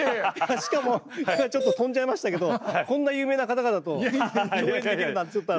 しかも今ちょっと飛んじゃいましたけどこんな有名な方々と共演できるなんてちょっとあの。